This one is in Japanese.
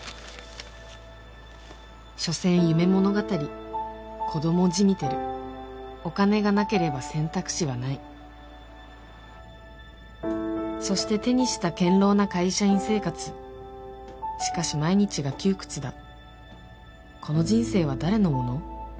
所詮夢物語子供じみてるお金がなければ選択肢はないそして手にした堅ろうな会社員生活しかし毎日が窮屈だこの人生は誰のもの？